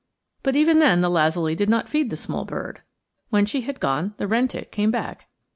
But even then the lazuli did not feed the small bird. When she had gone, the wren tit came back.